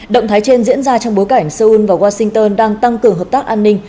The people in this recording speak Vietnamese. động thái trên diễn ra trong bối cảnh seoul và washington đang tăng cường hợp tác an ninh